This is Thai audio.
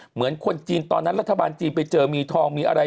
เหมือนคนจีนตอนนั้นรัฐบาลจีนไปเจอมีทองมีอะไร